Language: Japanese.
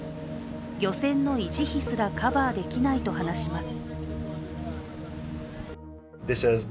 漁船の維持費すらカバーできないと話します。